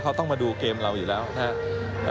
เขาต้องมาดูเกมเราอยู่แล้วนะครับ